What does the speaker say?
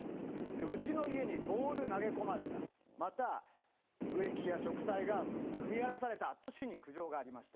うちの家にボール投げ込まれた、また植木や植栽が踏み荒らされたと市に苦情がありました。